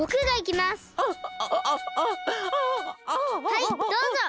はいどうぞ！